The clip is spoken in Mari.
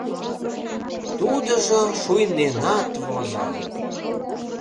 Тудыжо шуйненат возо!